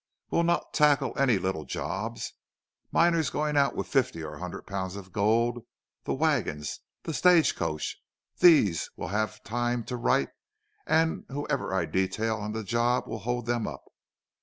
We'll not tackle any little jobs. Miners going out with fifty or a hundred pounds of gold the wagons the stage coach these we'll have timed to rights, and whoever I detail on the job will hold them up.